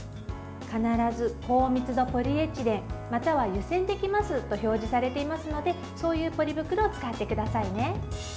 必ず高密度ポリエチレンまたは湯煎できますと表示されていますのでそういうポリ袋を使ってくださいね。